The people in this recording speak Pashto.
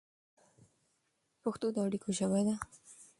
پښتو د اړیکو ژبه ده.